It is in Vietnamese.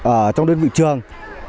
ở trong đơn vị trường